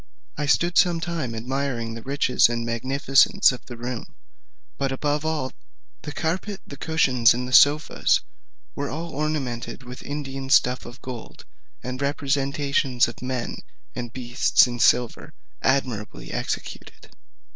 I stood some time admiring the riches and magnificence of the room; but above all, the carpet, the cushions, and the sofas, which were all ornamented with Indian stuff of gold, and representations of men and beasts in silver, admirably executed.